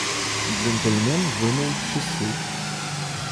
Джентльмен вынул часы.